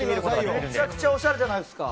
めちゃくちゃおしゃれじゃないですか。